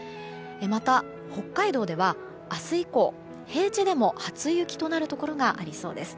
また、北海道では明日以降平地でも初雪となるところがありそうです。